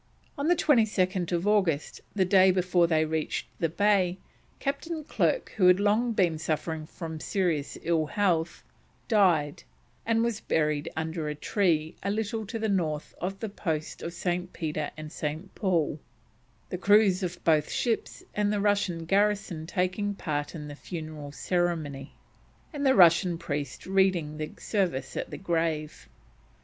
On 22nd August, the day before they reached the Bay, Captain Clerke, who had long been suffering from serious ill health, died, and was buried under a tree a little to the north of the post of St. Peter and St. Paul; the crews of both ships and the Russian garrison taking part in the funeral ceremony, and the Russian priest reading the service at the grave.